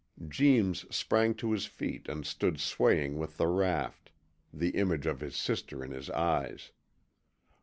Jeems sprang to his feet and stood swaying with the raft, the image of his sister in his eyes.